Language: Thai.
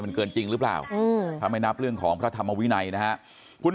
มันเกินจริงหรือเปล่าถ้าไม่นับเรื่องของพระธรรมวินัยนะฮะคุณ